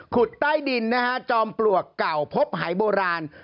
ขุดใต้ดินนะฮะจอมปลวกเก่าพบหายโบราณ